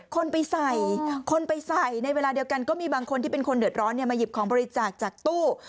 คนไปใส่คนไปใส่ในเวลาเดียวกันก็มีบางคนที่เป็นคนเดือดร้อนมาหยิบของบริจาคจากตู้